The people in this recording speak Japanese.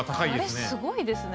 あれすごいですね。